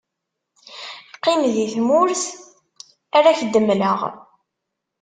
qqim di tmurt ara k-d-mmleɣ.